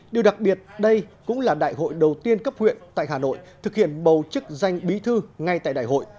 điều đặc biệt đây cũng là đại hội đầu tiên cấp huyện tại hà nội thực hiện bầu chức danh bí thư ngay tại đại hội